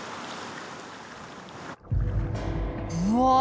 うわ！